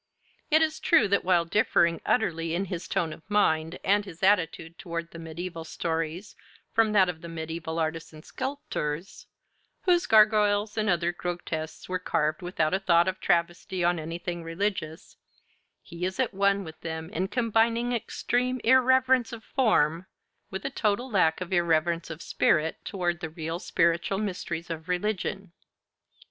It is true that while differing utterly in his tone of mind, and his attitude toward the mediaeval stories, from that of the mediaeval artists and sculptors, whose gargoyles and other grotesques were carved without a thought of travesty on anything religious, he is at one with them in combining extreme irreverence of form with a total lack of irreverence of spirit toward the real spiritual mysteries of religion.